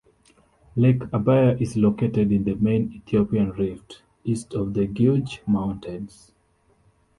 Lake Abaya is located in the Main Ethiopian Rift, east of the Guge Mountains.